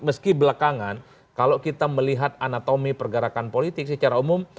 meski belakangan kalau kita melihat anatomi pergerakan politik secara umum